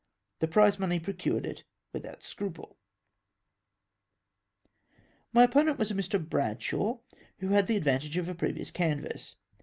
The prize money procured it without scruple. My opponent was a Mr. Bradshaw, who had the advantage of a previous canvass.